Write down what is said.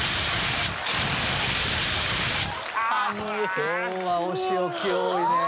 今日はお仕置き多いね。